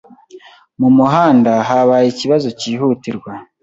Mu muhanda habaye ikibazo cyihutirwa.